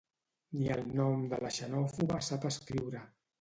Ni el nom de la xenòfoba sap escriure